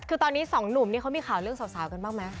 คือตอนนี้สองหนุ่มนี่เขามีข่าวเรื่องสาวกันบ้างไหม